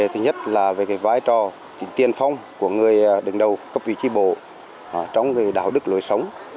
thứ nhất là về vai trò tiền phong của người đứng đầu cấp ủy tri bộ trong đạo đức lối sống